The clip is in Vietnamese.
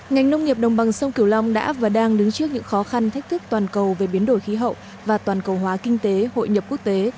ngành nông nghiệp đồng bằng sông kiều long đã và đang đứng trước những khó khăn thách thức toàn cầu về biến đổi khí hậu và toàn cầu hóa kinh tế hội nhập quốc tế